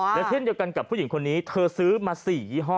แล้วเช่นเดียวกันกับผู้หญิงคนนี้เธอซื้อมา๔ยี่ห้อ